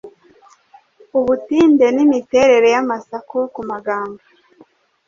ubutinde n’imiterere y’amasaku ku magambo.